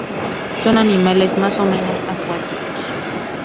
Son animales más o menos acuáticos.